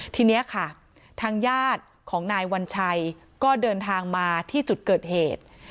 ทีนี้ค่ะทางญาติของนายวัญชัยก็เดินทางมาที่จุดเกิดเหตุ